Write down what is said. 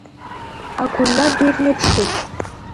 Агәырҩа ду рныԥшуеит…